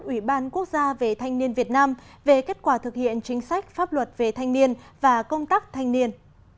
ủy ban quốc gia về thanh niên việt nam về kết quả thực hiện chính sách pháp luật về thanh niên và công tác thanh niên